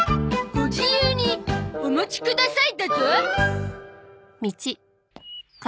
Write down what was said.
「ご自由にお持ちください」？